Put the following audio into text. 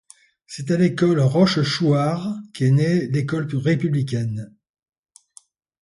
C'est à l'hôtel de Rochechouart qu'est née l'école républicaine.